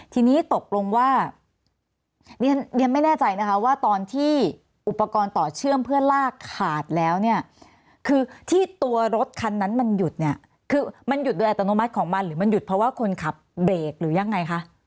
ทีนี้ตกลงว่าเรียนไม่แน่ใจนะคะว่าตอนที่อุปกรณ์ต่อเชื่อมเพื่อลากขาดแล้วเนี่ยคือที่ตัวรถคันนั้นมันหยุดเนี่ยคือมันหยุดโดยอัตโนมัติของมันหรือมันหยุดเพราะว่าคนขับเบรกหรือยังไงคะ